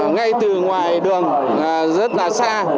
ngay từ ngoài đường rất là xa